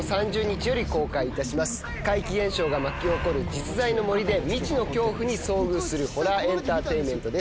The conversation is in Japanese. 怪奇現象が巻き起こる実在の森で未知の恐怖に遭遇するホラーエンターテインメントです。